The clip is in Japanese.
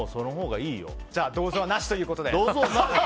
じゃあ銅像はなしということで。